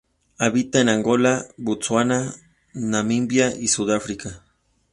Habita en Angola, Botsuana, Namibia y Sudáfrica.